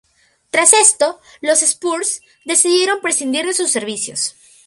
Tras esto, los Spurs decidieron prescindir de sus servicios.